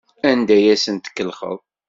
Anda ay asent-tkellxeḍ?